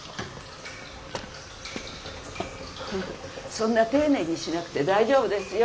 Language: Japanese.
そんな丁寧にしなくて大丈夫ですよ。